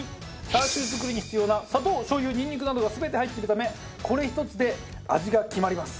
チャーシュー作りに必要な砂糖しょう油ニンニクなどが全て入っているためこれ１つで味が決まります。